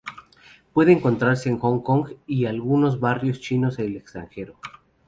Puede encontrarse en Hong Kong y en algunos barrios chinos del extranjero.